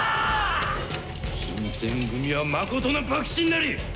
新選組は誠の幕臣なり！